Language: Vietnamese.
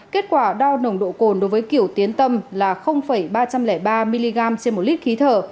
kết quả đo nồng độ cồn đối với kiểu tiến tâm là ba trăm linh ba mg trên một lít khí thở